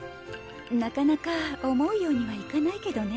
なかなか思うようにはいかないけどね。